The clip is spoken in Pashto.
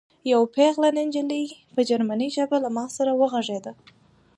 یوه پېغله نجلۍ په جرمني ژبه له ما سره وغږېده